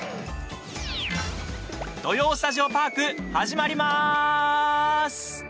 「土曜スタジオパーク」始まりまーす。